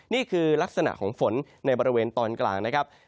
นี่คือลักษณะของฝนในบริเวณตอนกลางนะครับ